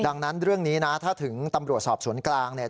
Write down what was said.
ดังนั้นเรื่องนี้นะถ้าถึงตำรวจสอบสวนกลางเนี่ย